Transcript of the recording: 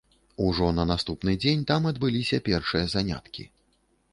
Ужо на наступны дзень там адбыліся першыя заняткі.